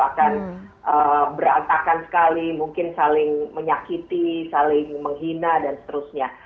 akan berantakan sekali mungkin saling menyakiti saling menghina dan seterusnya